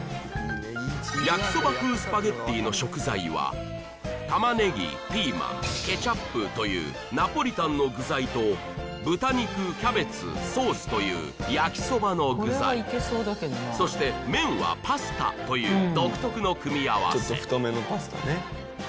焼きそば風スパゲッティの食材は玉ねぎピーマンケチャップというナポリタンの具材と豚肉キャベツソースという焼きそばの具材そして麺はパスタという独特の組み合わせ